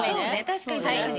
確かに確かに。